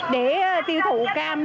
để tiêu thụ cam